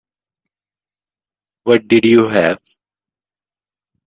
What did you have?